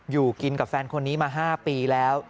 อยู่กินกับแฟนคนนี้มา๕ปีแล้ว